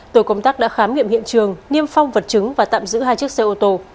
tổ công tác đã khám nghiệm hiện trường niêm phong vật chứng và tạm giữ hai chiếc xe ô tô